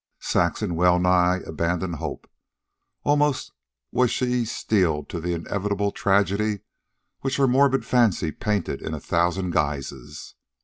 Saxon well nigh abandoned hope. Almost was she steeled to the inevitable tragedy which her morbid fancy painted in a thousand guises.